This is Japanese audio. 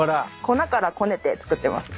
粉からこねて作ってます。